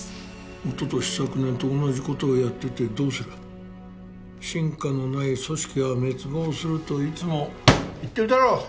おととし昨年と同じことをやっててどうする進化のない組織は滅亡するといつも言ってるだろ！